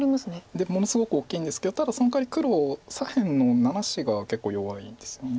ものすごく大きいんですけどただそのかわり黒左辺の７子が結構弱いですよね。